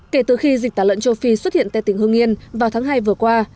kể từ khi dịch tả lợn châu phi xuất hiện tại tỉnh hương yên vào tháng hai vừa qua